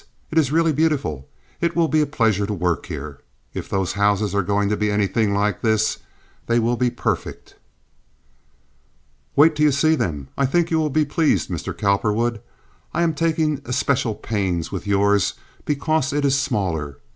It is really beautiful. It will be a pleasure to work here. If those houses are going to be anything like this, they will be perfect." "Wait till you see them. I think you will be pleased, Mr. Cowperwood. I am taking especial pains with yours because it is smaller.